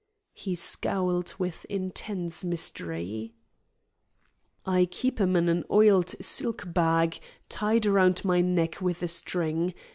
He scowled with intense mystery. "I keep 'em in an oiled silk bag, tied around my neck with a string.